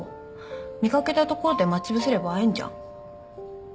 見掛けた所で待ち伏せれば会えんじゃん？